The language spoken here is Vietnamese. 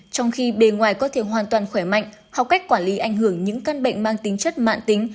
trong khi bề ngoài có thể hoàn toàn khỏe mạnh học cách quản lý ảnh hưởng những căn bệnh mang tính chất mạng tính